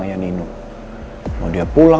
apa yang harus aku lakukan